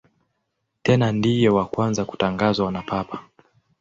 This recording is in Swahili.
Tena ndiye wa kwanza kutangazwa na Papa.